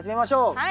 はい。